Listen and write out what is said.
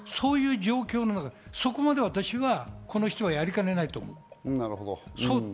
そういう状況の中、そこまで私はこの人はやりかねないと思う。